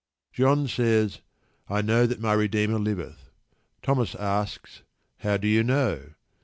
John says: "I know that my Redeemer liveth." Thomas asks: "How do you know?"